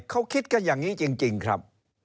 เขาคิดกันอย่างนี้จริงครับ